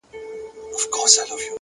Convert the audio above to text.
وخت د هر چا ریښتینی ازموینوونکی دی,